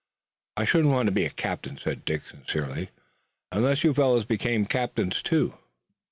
"I shouldn't want to be a captain," said Dick sincerely, "unless you fellows became captains too."